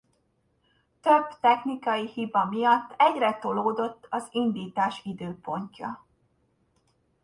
Több technikai hiba miatt egyre tolódott az indítás időpontja.